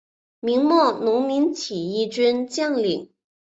明末农民起义军将领。